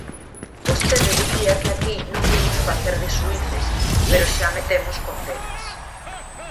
Vostede dicía que aquí non vimos facer de xuíces, pero xa metemos condenas.